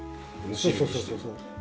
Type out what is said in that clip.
そうそうそうそうそう。